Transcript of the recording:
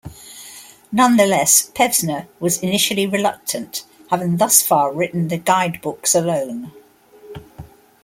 Nonetheless Pevsner was initially reluctant, having thus far written the guidebooks alone.